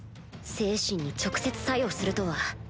精神に直接作用するとは